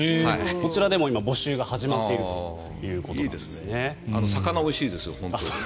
こちらでも今、募集が始まっているということですね。